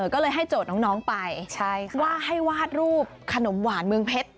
ก็เลยให้โจทย์น้องไปว่าให้วาดรูปขนมหวานเมืองเพชร